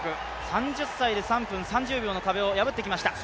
３０歳で３分３０秒の壁を破ってきました。